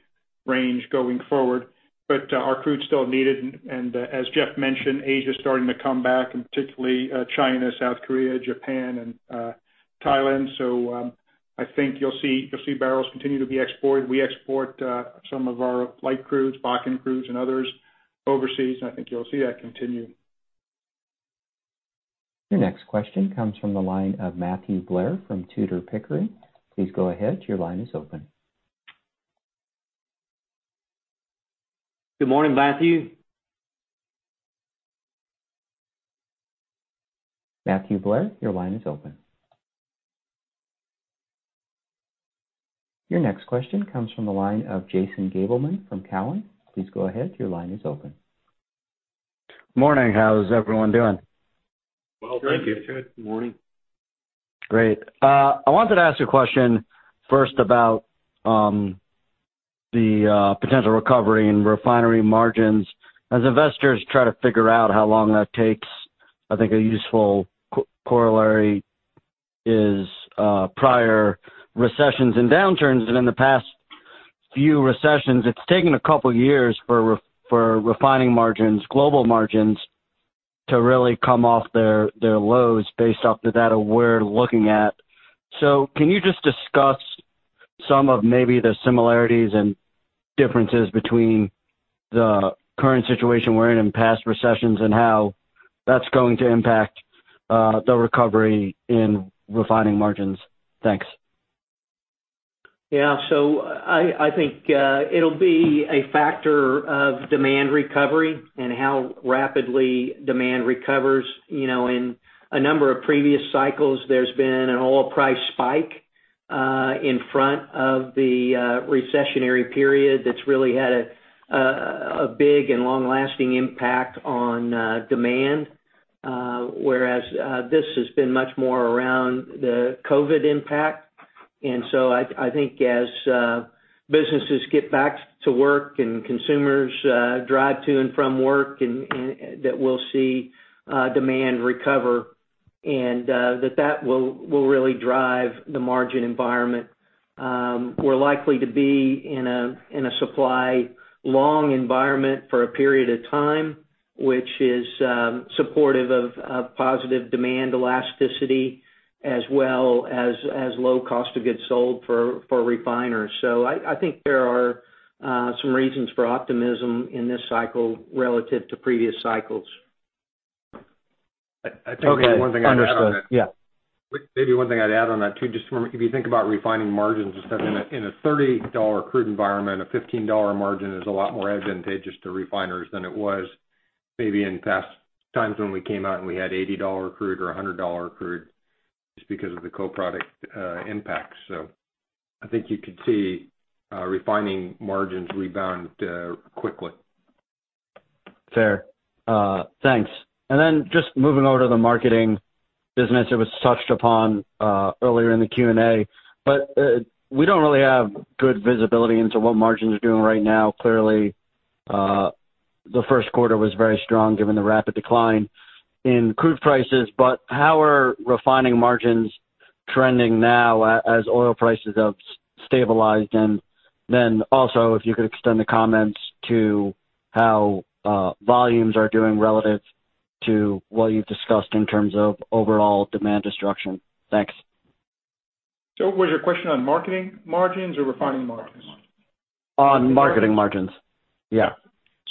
range going forward. Our crude's still needed, and as Jeff mentioned, Asia's starting to come back, and particularly China, South Korea, Japan, and Thailand. I think you'll see barrels continue to be exported. We export some of our light crudes, Bakken crudes, and others overseas, and I think you'll see that continue. Your next question comes from the line of Matthew Blair from Tudor, Pickering. Please go ahead. Your line is open. Good morning, Matthew. Matthew Blair, your line is open. Your next question comes from the line of Jason Gabelman from Cowen. Please go ahead. Your line is open. Morning. How is everyone doing? Well, thank you. Good. Good morning. Great. I wanted to ask a question first about the potential recovery in refinery margins. As investors try to figure out how long that takes, I think a useful corollary is prior recessions and downturns. In the past few recessions, it's taken a couple of years for Refining margins, global margins, to really come off their lows based off the data we're looking at. Can you just discuss some of maybe the similarities and differences between the current situation we're in and past recessions, and how that's going to impact the recovery in Refining margins. Thanks. Yeah. I think it'll be a factor of demand recovery and how rapidly demand recovers. In a number of previous cycles, there's been an oil price spike, in front of the recessionary period that's really had a big and long-lasting impact on demand. Whereas, this has been much more around the COVID impact. I think as businesses get back to work and consumers drive to and from work, that we'll see demand recover, and that will really drive the margin environment. We're likely to be in a supply long environment for a period of time, which is supportive of positive demand elasticity as well as low cost of goods sold for refiners. I think there are some reasons for optimism in this cycle relative to previous cycles. Okay. Understood. Yeah. Maybe one thing I'd add on that, too. If you think about Refining margins, in a $30 crude environment, a $15 margin is a lot more advantageous to refiners than it was maybe in past times when we came out and we had $80 crude or $100 crude just because of the co-product impact. I think you could see Refining margins rebound quickly. Fair. Thanks. Just moving over to the Marketing business that was touched upon earlier in the Q&A. We don't really have good visibility into what margins are doing right now. Clearly, the first quarter was very strong given the rapid decline in crude prices. How are Refining margins trending now as oil prices have stabilized? Also, if you could extend the comments to how volumes are doing relative to what you've discussed in terms of overall demand destruction. Thanks. Was your question on Marketing margins or Refining margins? On Marketing margins. Yeah.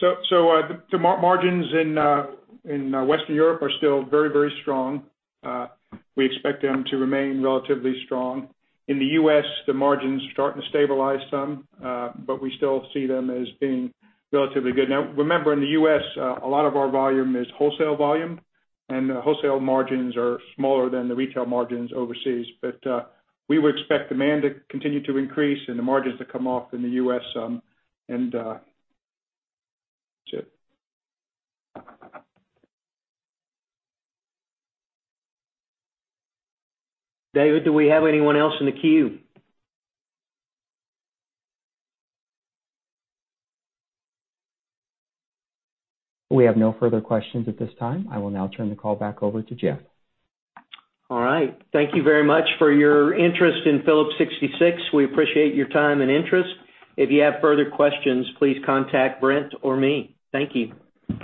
The margins in Western Europe are still very strong. We expect them to remain relatively strong. In the U.S., the margins are starting to stabilize some, but we still see them as being relatively good. Now, remember, in the U.S., a lot of our volume is wholesale volume, and the wholesale margins are smaller than the retail margins overseas. We would expect demand to continue to increase and the margins to come off in the U.S. some, and that's it. David, do we have anyone else in the queue? We have no further questions at this time. I will now turn the call back over to Jeff. All right. Thank you very much for your interest in Phillips 66. We appreciate your time and interest. If you have further questions, please contact Brent or me. Thank you.